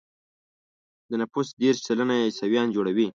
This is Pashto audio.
د نفوسو دېرش سلنه يې عیسویان جوړوي.